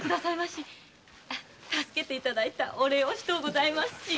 助けて頂いたお礼をしとうございますし。